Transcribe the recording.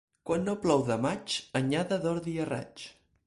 Quan no plou de maig, anyada d'ordi a raig.